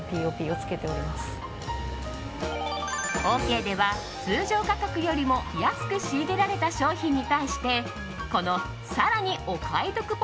オーケーでは通常価格よりも安く仕入れられた商品に対して